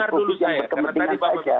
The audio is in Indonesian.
publik yang berkepentingan saja